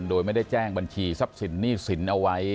โดยไม่ได้แจ้งบัญชีทรัพย์สินหนี้สินเอาไว้